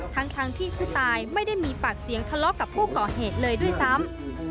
ทั้งที่ผู้ตายไม่ได้มีปากเสียงทะเลาะกับผู้ก่อเหตุเลยด้วยซ้ำ